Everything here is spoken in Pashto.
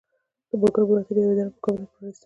د ملګرو ملتونو یوه اداره په کابل کې پرانستل شوه.